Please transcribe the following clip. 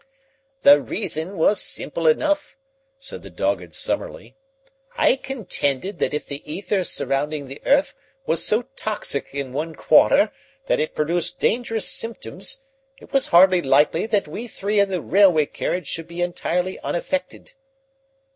"The reason was simple enough," said the dogged Summerlee. "I contended that if the ether surrounding the earth was so toxic in one quarter that it produced dangerous symptoms, it was hardly likely that we three in the railway carriage should be entirely unaffected."